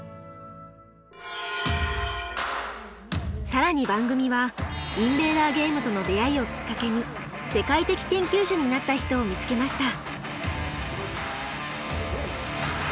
更に番組はインベーダーゲームとの出会いをきっかけに世界的研究者になった人を見つけました。